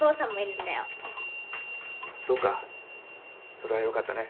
それはよかったね。